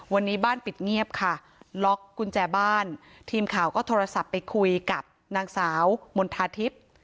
วันนี้บ้านปิดเงียบค่ะล็อกกุญแจบ้านทีมข่าวก็โทรศัพท์ไปคุยกับนางสาวมณฑาทิพย์